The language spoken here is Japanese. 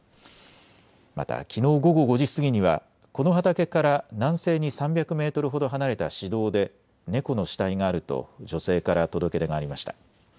またきのう午後５時過ぎにはこの畑から南西に３００メートルほど離れた市道で猫の死体があると女性から届け出がありました。